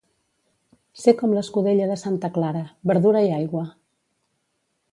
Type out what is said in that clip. Ser com l'escudella de santa Clara, verdura i aigua.